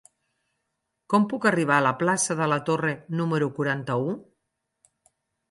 Com puc arribar a la plaça de la Torre número quaranta-u?